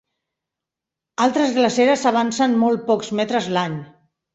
Altres glaceres avancen molt pocs metres a l'any.